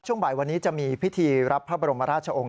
บ่ายวันนี้จะมีพิธีรับพระบรมราชองค์